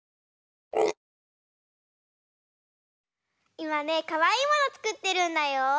いまねかわいいものつくってるんだよ。